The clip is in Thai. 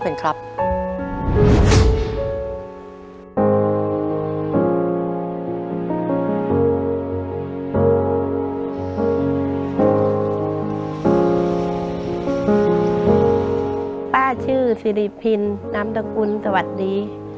ป้าชื่อซิฤะพินน้ำตกุลสวัสดี